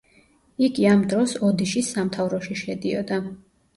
იგი ამ დროს ოდიშის სამთავროში შედიოდა.